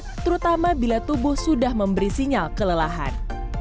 jangan lupa mencari sopir cadangan terutama bila tubuh sudah memberi sinyal kelelahan